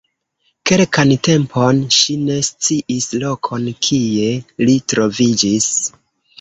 Kelkan tempon ŝi ne sciis lokon, kie li troviĝis.